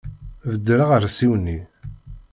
Beddel aɣersiw-nni!